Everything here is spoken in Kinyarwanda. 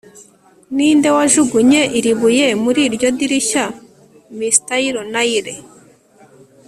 Ninde wajugunye iri buye muri iryo dirishya MystyrNile